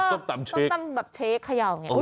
ต้องตั้งแบบเช็กเขย่าอย่างนี้